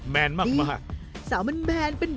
มันมากจังหละินแบบนี้แหละ